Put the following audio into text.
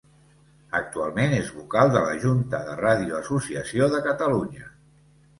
Actualment és vocal de la Junta de Ràdio Associació de Catalunya.